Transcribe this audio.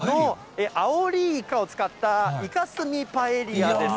こちらが常磐もののアオリイカを使った、イカスミパエリアです。